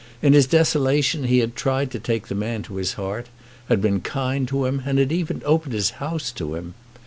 In his desolation he had tried to take the man to his heart, had been kind to him, and had even opened his house to him.